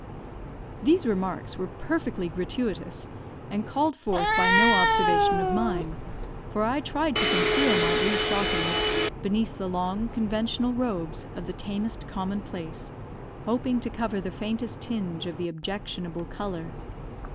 These remarks were perfectly gratuitous, and called forth by no observation of mine; for I tried to conceal my blue stockings beneath the long conventional robes of the tamest common place, hoping to cover the faintest tinge of the objectionable colour.